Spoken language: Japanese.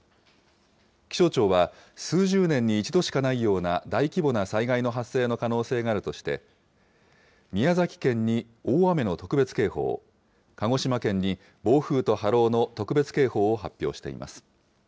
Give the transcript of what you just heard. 気象庁は数十年に一度しかないような大規模な災害の発生の可能性があるとして、宮崎県の大雨の特別警報、鹿児島県に暴風と波浪の特別警報を発表しています。